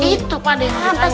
itu pakdeh yang tadi